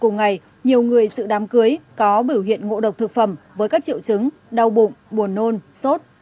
nhiều người sự đám cưới có biểu hiện ngộ độc thực phẩm với các triệu chứng đau bụng buồn nôn sốt